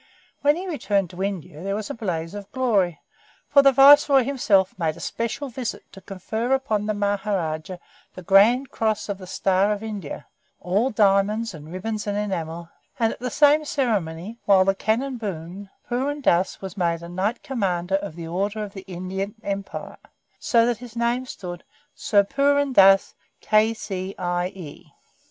When he returned to India there was a blaze of glory, for the Viceroy himself made a special visit to confer upon the Maharajah the Grand Cross of the Star of India all diamonds and ribbons and enamel; and at the same ceremony, while the cannon boomed, Purun Dass was made a Knight Commander of the Order of the Indian Empire; so that his name stood Sir Purun Dass, K.C.I.E.